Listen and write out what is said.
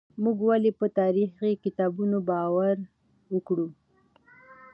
موږ ولې په تاريخي کتابونو باور وکړو؟